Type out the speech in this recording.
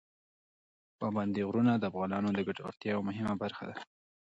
پابندي غرونه د افغانانو د ګټورتیا یوه مهمه برخه ده.